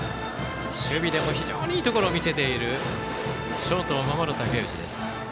守備でも非常にいいところを見せているショートを守る、竹内です。